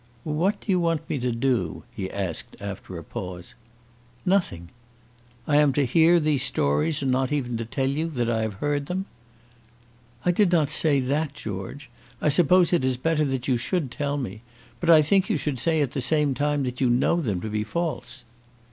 "What do you want me to do?" he asked, after a pause. "Nothing." "I am to hear these stories and not even to tell you that I have heard them?" "I did not say that, George. I suppose it is better that you should tell me. But I think you should say at the same time that you know them to be false."